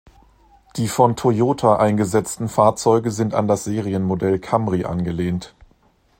Die von Toyota eingesetzten Fahrzeuge sind an das Serienmodell Camry angelehnt.